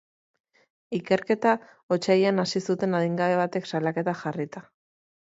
Ikerketa otsailean hasi zuten adingabe batek salaketa jarrita.